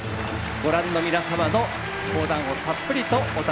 ご覧の皆様の講談をたっぷりとお楽しみいただきます。